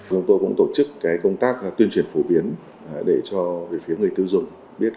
chúng tôi cũng tổ chức công tác tuyên truyền phổ biến để cho phía người tư dùng biết